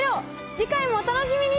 次回もお楽しみに！